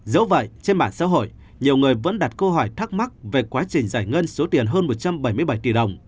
dẫu vậy trên mạng xã hội nhiều người vẫn đặt câu hỏi thắc mắc về quá trình giải ngân số tiền hơn một trăm bảy mươi bảy tỷ đồng